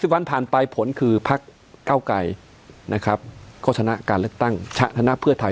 วันผ่านไปผลคือพักเก้าไกรนะครับก็ชนะการเลือกตั้งชนะเพื่อไทย